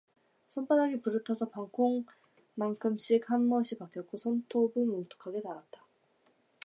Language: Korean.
손바닥이 부르터서 밤콩만큼씩 한 못이 박혔고 손톱은 뭉툭하게 닳았다.